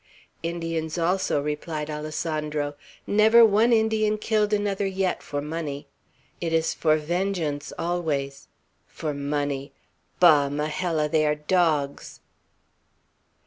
"Indians, also," replied Alessandro. "Never one Indian killed another, yet, for money. It is for vengeance, always. For money! Bah! Majella, they are dogs!"